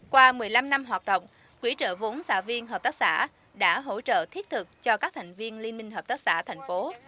qua một mươi năm năm hoạt động quỹ trợ vốn xã viên hợp tác xã đã hỗ trợ thiết thực cho các thành viên liên minh hợp tác xã thành phố